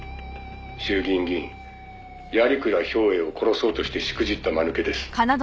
「衆議院議員鑓鞍兵衛を殺そうとしてしくじった間抜けです」